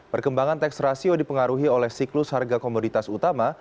perkembangan teks rasio dipengaruhi oleh siklus harga komoditas utama